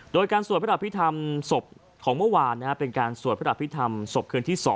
โดยการสวดประพิธรรมศพของเมื่อวานนะเป็นการสวดประพิธรรมศพขึ้นที่๒